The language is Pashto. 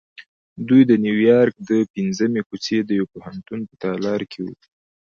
دوی د نیویارک د پنځمې کوڅې د یوه پوهنتون په تالار کې وو